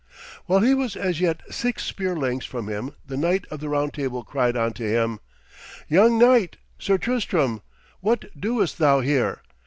While he was as yet six spear lengths from him the knight of the Round Table cried unto him: 'Young knight, Sir Tristram, what doest thou here?